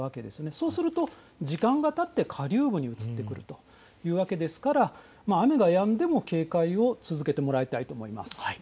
そうすると時間がたって下流部に移ってくるというわけですから雨がやんでも警戒を続けてもらいたいと思います。